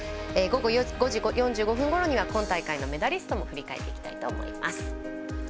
午後４時４５分ごろには今大会のメダリストも振り返っていきたいと思います。